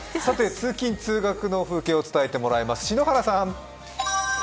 通勤・通学の風景を伝えてもらいます、篠原さん。